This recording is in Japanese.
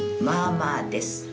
まあまあです。